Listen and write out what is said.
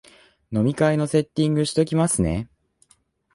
飲み会のセッティングしときますね